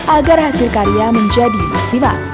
agar hasil karya menjadi maksimal